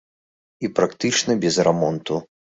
І практычна без рамонту.